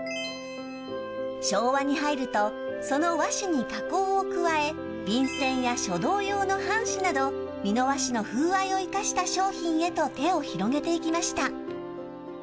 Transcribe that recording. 昭和に入るとその和紙に加工を加え便箋や書道用の半紙など美濃和紙の風合いを生かした商品へと手を広げていきました。